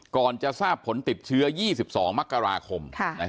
ก่อนจะทราบผลติดเชื้อยี่สิบสองมกราคม